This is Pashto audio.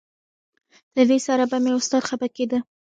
له دې سره به مې استاد خپه کېده.